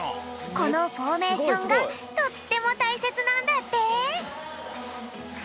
このフォーメーションがとってもたいせつなんだって。